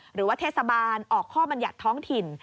หรือว่าเทศบาลออกข้อบรรยัติท้องถิ่น